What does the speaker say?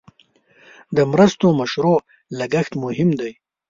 د مرستو مشروع لګښت مهم دی.